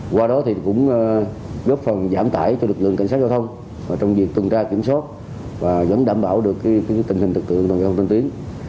qua đó thì cũng góp phần giảm tải cho lực lượng cảnh sát giao thông trong việc tuần tra kiểm soát và dám đảm bảo được tình hình thực tượng giao thông trên tuyến